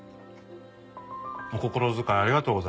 お心遣いありがとうございます。